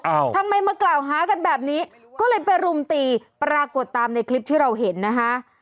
ทำไมมากล่าวหากันแบบนี้ก็เลยไปรุมตีปรากฏตามในคลิปที่เราเห็นนะคะ